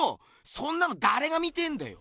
そんなのだれが見てえんだよ？